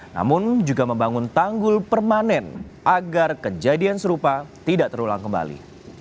namun juga membangun tanggul permanen agar kejadian serupa tidak terulang kembali